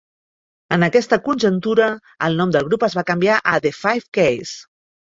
En aquesta conjuntura, el nom del grup es va canviar a The Five Keys.